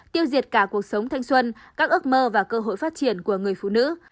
tiêu diệt cả cuộc sống thanh xuân các ước mơ và cơ hội phát triển của người phụ nữ